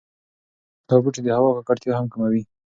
دا بوټي د هوا ککړتیا هم کموي.